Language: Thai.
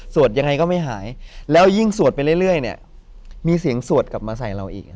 ยังไงก็ไม่หายแล้วยิ่งสวดไปเรื่อยเนี่ยมีเสียงสวดกลับมาใส่เราอีก